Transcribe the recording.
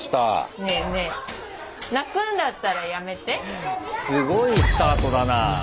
ねえねえすごいスタートだな。